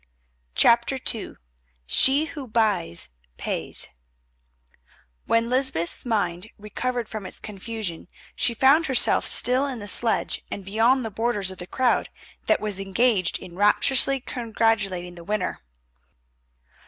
CHAPTER II SHE WHO BUYS—PAYS When Lysbeth's mind recovered from its confusion she found herself still in the sledge and beyond the borders of the crowd that was engaged in rapturously congratulating the winner.